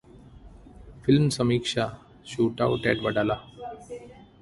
film समीक्षा: 'shootout at Wadala'